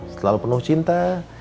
selalu penuh cinta